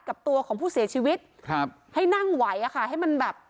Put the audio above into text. กับตัวของผู้เสียชีวิตครับให้นั่งไหวอ่ะค่ะให้มันแบบ